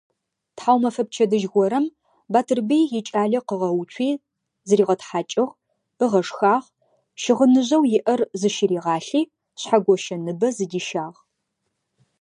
Тхьаумэфэ пчэдыжь горэм Батырбый икӀалэ къыгъэуцуи зыригъэтхьакӀыгъ, ыгъэшхагъ, щыгъыныжъэу иӀэр зыщыригъалъи, Шъхьэгощэ ныбэ зыдищагъ.